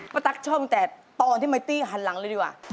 ตั๊กชอบแต่ตอนที่ไมตี้หันหลังเลยดีกว่า